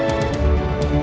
tapi malam paham